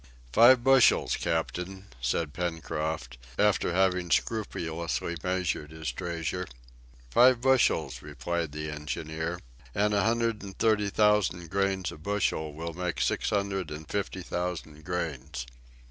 "Five bushels, captain," said Pencroft, after having scrupulously measured his treasure. "Five bushels," replied the engineer; "and a hundred and thirty thousand grains a bushel will make six hundred and fifty thousand grains."